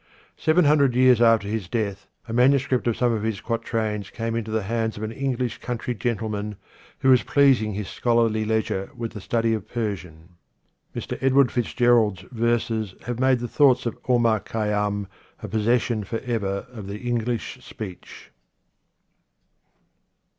Seven hundred years after his death a manuscript of some of his qua trains came into the hands of an English country gentleman who was pleasing his scholarly leisure with the study of Persian. Mr. Edward Fitzgerald's verses have made the thoughts of Omar Khayyam a posses sion for ever of the English speech.